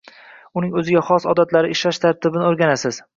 Uning oʻziga xos odatlari, ishlash tartibini oʻrganasiz